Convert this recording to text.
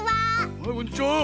はいこんにちは。